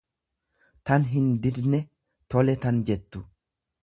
tan hindidne, tole tan jettu.